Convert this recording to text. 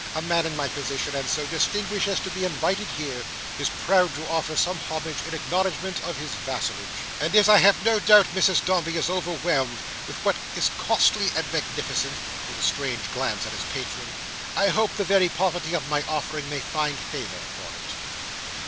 A man in my position, and so distinguished as to be invited here, is proud to offer some homage in acknowledgment of his vassalage: and as I have no doubt Mrs Dombey is overwhelmed with what is costly and magnificent;" with a strange glance at his patron; "I hope the very poverty of my offering, may find favour for it."